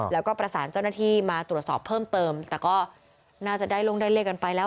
แล้วก็ประสานเจ้าหน้าที่มาตรวจสอบเพิ่มเติมแต่ก็น่าจะได้ลงได้เลขกันไปแล้ว